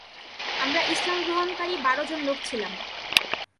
আমরা ইসলাম গ্রহণকারী বার জন লোক ছিলাম।